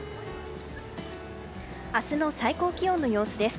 明日の最高気温の様子です。